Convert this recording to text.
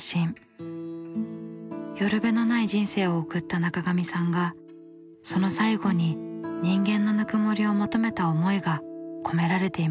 寄る辺のない人生を送った中上さんがその最後に人間のぬくもりを求めた思いが込められていました。